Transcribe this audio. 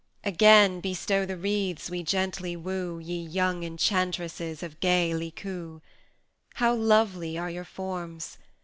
Again bestow the wreaths we gently woo, Ye young Enchantresses of gay Licoo! How lovely are your forms!